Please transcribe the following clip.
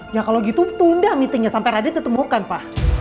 ya kalau gitu tunda meetingnya sampai radit ditemukan pak